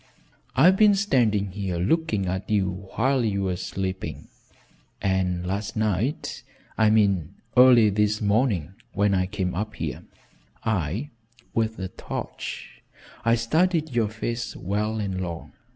I've been standing here looking at you while you were sleeping, and last night I mean early this morning when I came up here, I with a torch I studied your face well and long.